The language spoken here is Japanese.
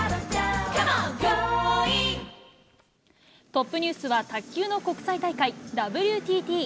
トップニュースは卓球の国際大会、ＷＴＴ。